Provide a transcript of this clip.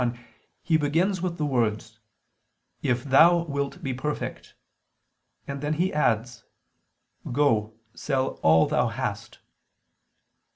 19:21), He begins with the words: "If thou wilt be perfect," and then He adds: "Go, sell all [Vulg.: 'what'] thou hast."